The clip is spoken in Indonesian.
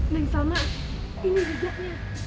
nah yang sana ini jejaknya